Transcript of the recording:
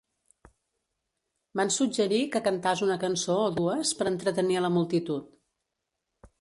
Van suggerir que cantàs una cançó o dues per entretenir a la multitud.